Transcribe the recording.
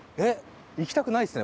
行きたくないですね